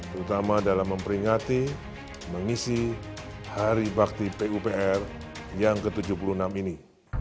terutama dalam memperingati mengisi hari bakti pupr yang ke tujuh puluh enam ini